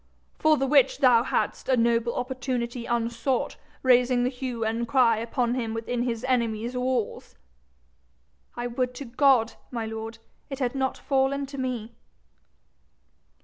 'For the which thou hadst a noble opportunity unsought, raising the hue and cry upon him within his enemy's walls!' 'I would to God, my lord, it had not fallen to me.'